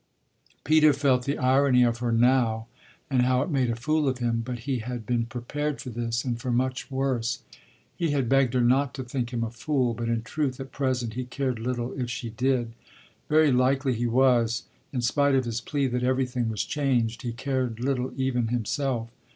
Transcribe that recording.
Peter felt the irony of her "now" and how it made a fool of him, but he had been prepared for this and for much worse. He had begged her not to think him a fool, but in truth at present he cared little if she did. Very likely he was in spite of his plea that everything was changed: he cared little even himself.